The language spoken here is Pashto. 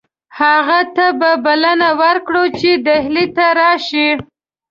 هغه ته به بلنه ورکړو چې ډهلي ته راشي.